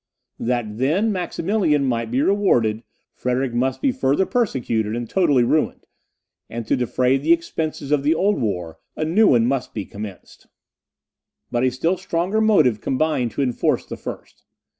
That, then, Maximilian may be rewarded, Frederick must be further persecuted and totally ruined; and to defray the expenses of the old war, a new one must be commenced. But a still stronger motive combined to enforce the first.